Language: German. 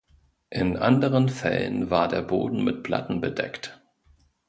In anderen Fällen war der Boden mit Platten bedeckt.